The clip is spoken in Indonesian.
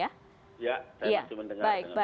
ya saya masih mendengar